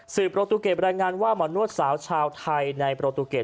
สื่อประตูเกตบรรยายงานว่ามนุษย์สาวชาวไทยในประตูเกต